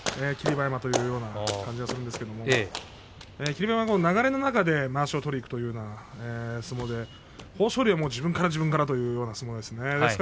馬山という感じがするんですけれど霧馬山は流れの中でまわしを取りにいくというのが得意ですけれど豊昇龍は自分から自分からという相撲ですね。